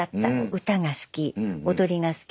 歌が好き踊りが好き